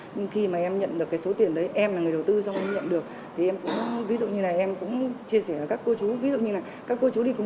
nhưng khi mà em nhận được cái số tiền đấy em là người đầu tư xong em nhận được thì em cũng ví dụ như này em cũng chia sẻ với các cô chú